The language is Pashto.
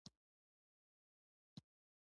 یوه نیمه بېلګه یې پر ما و نه لوروله.